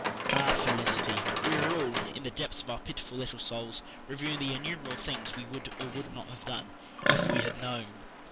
Ah, Felicity! We were all, in the depths of our pitiful little souls, reviewing the innumerable things we would or would not have done "if we had known."